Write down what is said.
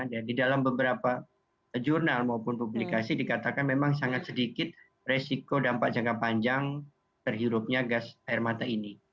dan di dalam beberapa jurnal maupun publikasi dikatakan memang sangat sedikit resiko dampak jangka panjang terhirupnya gas air mata ini